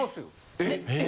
・えっ？